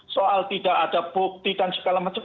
soal tidak ada bukti dan segala macam